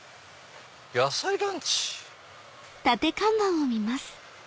「野菜ランチ」。